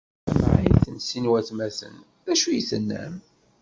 Tamɛayt n sin n watmaten: D acu i tennam?